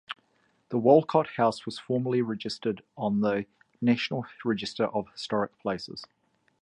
The Wolcott House was formerly listed on the National Register of Historic Places.